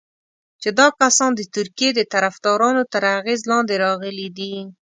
چې دا کسان د ترکیې د طرفدارانو تر اغېز لاندې راغلي دي.